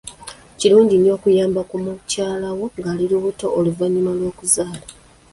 Kirungi nnyo okuyamba ku mukyalawo ng'ali lubuto n'oluvannyuma lw'okuzaala.